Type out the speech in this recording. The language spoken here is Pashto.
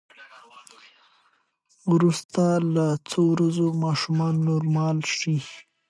وروسته له څو ورځو ماشومان نورمال شي.